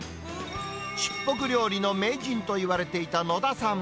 卓袱料理の名人といわれていた野田さん。